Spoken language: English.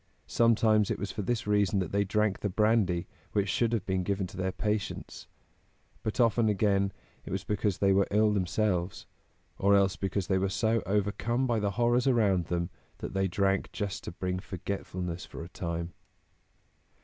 Sometimes it was for this reason that they drank the brandy which should have been given to their patients; but often, again, it was because they were ill themselves, or else because they were so overcome by the horrors around them that they drank just to bring forgetfulness for a time.